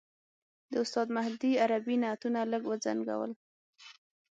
د استاد مهدي عربي نعتونو لږ وځنګولو.